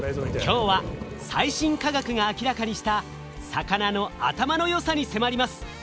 今日は最新科学が明らかにした魚の頭の良さに迫ります。